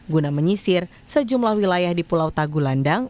guna menyisir sejumlah wilayah di pulau tagulandang